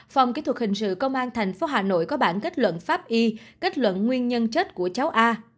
phòng kỹ thuật hình sự công an tp hà nội có bản kết luận pháp y kết luận nguyên nhân chết của cháu a